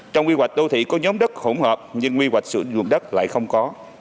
trong quy hoạch đô thị có nhóm đất hỗn hợp nhưng quy hoạch sử dụng đất lại không có